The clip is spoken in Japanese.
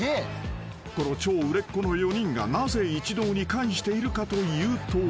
［この超売れっ子の４人がなぜ一堂に会しているかというと］